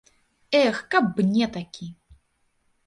Эх, каб мне такі.